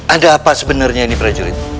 ada apa sebenarnya ini prajurit